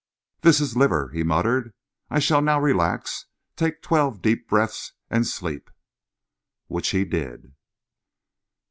"This is liver," he muttered. "I shall now relax, take twelve deep breaths, and sleep." Which he did.